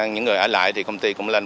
những người ở lại thì công ty cũng lên